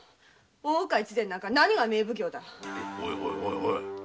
大岡越前なんか何が名奉行だ。